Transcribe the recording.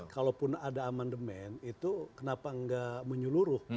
kalaupun ada emendemen itu kenapa nggak menyeluruh